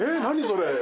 それ。